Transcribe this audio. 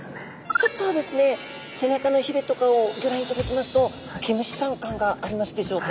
ちょっとですね背中のひれとかをギョ覧いただきますと毛虫さん感がありますでしょうか。